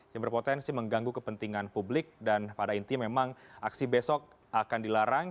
yang berpotensi mengganggu kepentingan publik dan pada intinya memang aksi besok akan dilarang